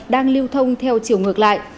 đang liêu thông theo chiều ngược lại